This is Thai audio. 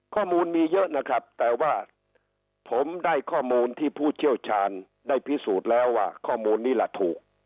ข้อมูลมีเยอะนะครับแต่ว่าผมได้ข้อมูลที่ผู้เชี่ยวชาญได้พิสูจน์แล้วว่าข้อมูลนี้ล่ะถูก